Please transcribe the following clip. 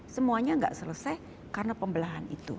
semuanya nggak selesai karena pembelahan itu